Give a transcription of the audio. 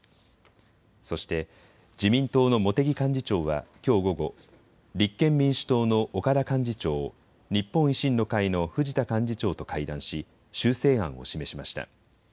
そして自民党の茂木幹事長はきょう午後、立憲民主党の岡田幹事長、日本維新の会の藤田幹事長と会談し修正案を示しました。